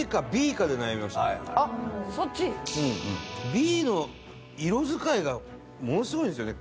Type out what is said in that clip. Ｂの色使いがものすごいですよね